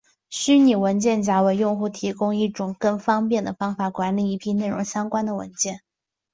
虚拟文件夹为用户提供一种更方便方法管理一批内容相关的文件。